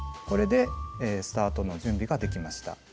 これでスタートの準備ができました。